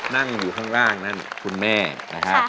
นั่งอยู่ข้างล่างนั่นคุณแม่นะครับ